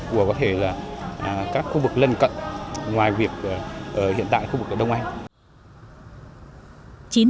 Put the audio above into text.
của có thể là các khu vực lân cận ngoài việc hiện tại khu vực ở đông anh